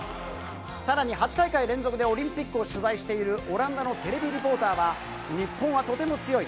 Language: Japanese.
さらに８大会連続でオリンピックを取材しているオランダのテレビリポーターは、日本はとても強い。